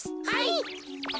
はい！